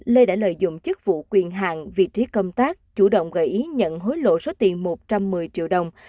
lê đã lợi dụng chức vụ quyền hạn vị trí công tác chủ động gợi ý nhận hối lộ số tiền một trăm một mươi triệu đồng